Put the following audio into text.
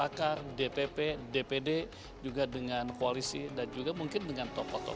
ya jajaran gerindra dewan pembina dewan pakar dpp dpd juga dengan koalisi dan juga mungkin dengan tok tok tok